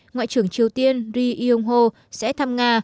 ngoại trưởng triều tiên ri yong ho sẽ thăm nga